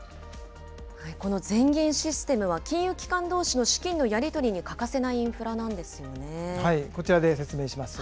この全銀システムは金融機関どうしの資金のやり取りに欠かせこちらで説明します。